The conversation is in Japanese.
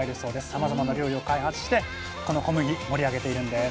さまざまな料理を開発してこの小麦盛り上げているんです。